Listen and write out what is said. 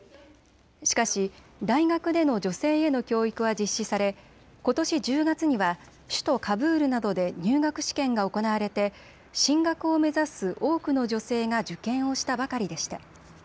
しかし大学での女性への教育は実施され、ことし１０月には首都カブールなどで入学試験が行われて進学を目指す多くの女性が受験をしたばかりでした。